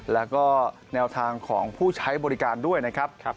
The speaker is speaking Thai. แล้วก็แนวทางของผู้ใช้บริการด้วยนะครับ